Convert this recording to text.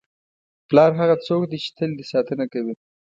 پلار هغه څوک دی چې تل دې ساتنه کوي.